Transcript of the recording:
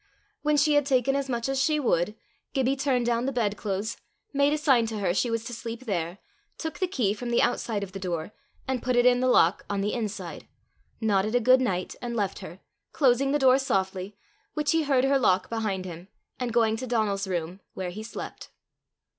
When she had taken as much as she would, Gibbie turned down the bed clothes, made a sign to her she was to sleep there, took the key from the outside of the door, and put it in the lock on the inside, nodded a good night, and left her, closing the door softly, which he heard her lock behind him, and going to Donal's room, where he slept.